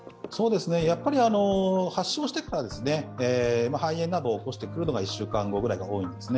やはり発症してから肺炎などを起こしてくるのが１週間後くらいが多いんですね。